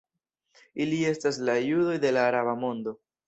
Ili estas la judoj de la araba mondo.